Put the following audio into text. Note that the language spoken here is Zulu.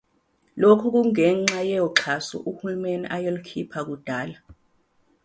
Lokhu kungenxa yoxhaso uhulumeni ayelukhipha kudala.